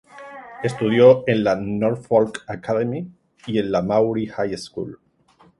Estudió en la Norfolk Academy y en la Maury High School.